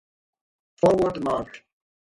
Forward March